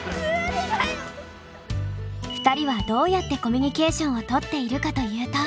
２人はどうやってコミュニケーションをとっているかというと。